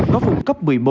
có vùng cấp một mươi một